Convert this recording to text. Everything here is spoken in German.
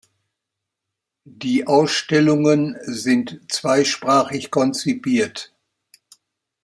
Die Ausstellungen sind zweisprachig konzipiert.